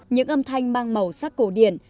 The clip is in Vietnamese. những âm thanh mang màu sắc cổ điển